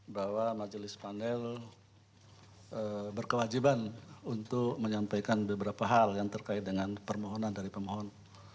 bahwa majelis panel berkewajiban untuk menyampaikan beberapa hal yang terkait dengan permohonan dari pemohon